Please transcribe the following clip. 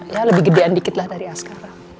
ya lebih gedean dikit lah dari askaram